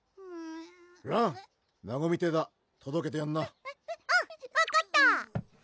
らんなごみ亭だとどけてやんなうん分かった！